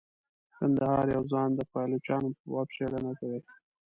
کندهار یوه ځوان د پایلوچانو په باب څیړنه کړې.